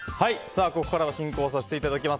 ここからは進行させていただきます。